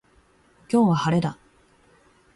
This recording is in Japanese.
今日は、晴れだ。